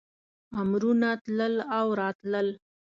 امرونه تلل او راتلل.